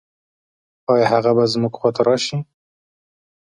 آيا هغه به زموږ خواته راشي؟